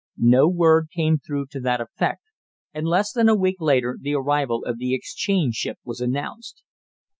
No word came through to that effect, and less than a week later the arrival of the exchange ship was announced.